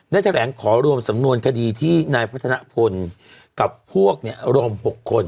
นัดแหล่งขอรวมสำนวนคดีที่นายพัฒนภลกับพวกเนี่ยรวม๖คน